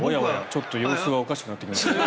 ちょっと様子がおかしくなってきますが。